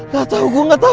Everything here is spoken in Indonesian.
gatau gue gatau